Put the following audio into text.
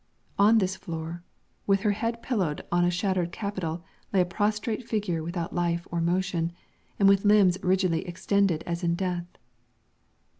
On this floor, with her head pillowed on a shattered capital, lay a prostrate figure without life or motion, and with limbs rigidly extended as in death.